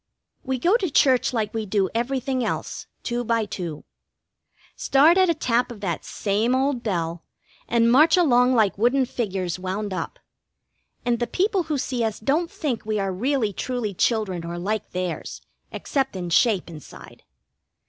We go to church like we do everything else, two by two. Start at a tap of that same old bell, and march along like wooden figures wound up; and the people who see us don't think we are really truly children or like theirs, except in shape inside.